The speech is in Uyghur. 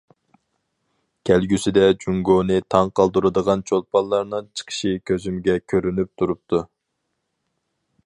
كەلگۈسىدە جۇڭگونى تاڭ قالدۇرىدىغان چولپانلارنىڭ چىقىشى كۆزۈمگە كۆرۈنۈپ تۇرۇپتۇ.